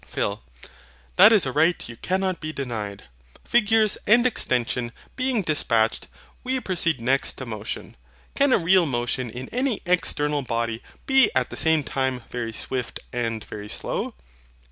PHIL. That is a right you cannot be denied. Figures and extension being despatched, we proceed next to MOTION. Can a real motion in any external body be at the same time very swift and very slow?